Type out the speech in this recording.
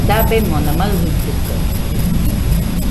Dabemona maɨjɨitɨkaɨ